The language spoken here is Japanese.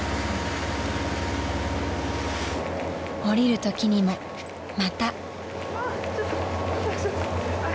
［降りるときにもまた］